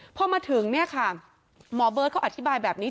พอมาถึงเนี่ยค่ะหมอเบิร์ตเขาอธิบายแบบนี้